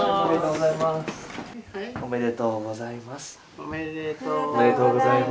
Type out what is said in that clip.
おめでとうございます。